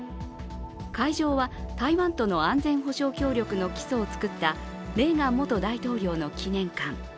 会場は、台湾との安全保障協力の基礎をつくったレーガン元大統領の記念館。